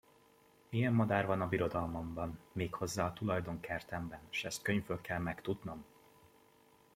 Ilyen madár van a birodalmamban, méghozzá a tulajdon kertemben, s ezt könyvből kell megtudnom!